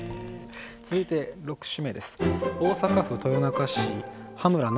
続いて６首目です。